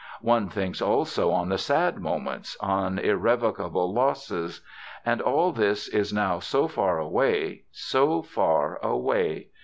One thinks also on the sad moments, on irrevocable losses. And all this is now so far away, so far away.